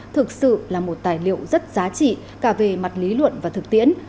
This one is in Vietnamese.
thực sự là một tài liệu rất giá trị cả về mặt lý luận và thực tiễn